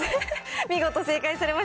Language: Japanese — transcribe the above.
見事正解されました。